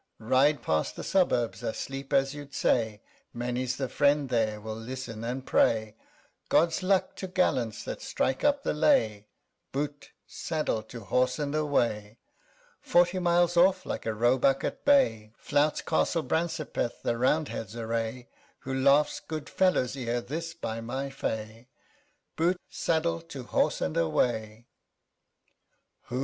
_ Ride past the suburbs, asleep as you'd say; 5 Many's the friend there, will listen and pray "God's luck to gallants that strike up the lay CHORUS. Boot, saddle, to horse, and away!" Forty miles off, like a roebuck at bay, Flouts Castle Brancepeth the Roundheads' array; 10 Who laughs, "Good fellows ere this, by my fay, CHORUS. Boot, saddle, to horse, and away!" Who?